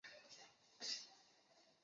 芬兰铁路集团。